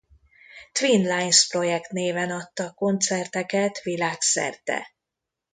Twin Lines Project néven adtak koncerteket világszerte.